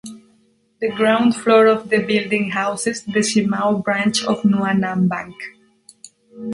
The ground floor of the building houses the Shimao branch of Hua Nan Bank.